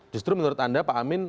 justru menurut anda pak amin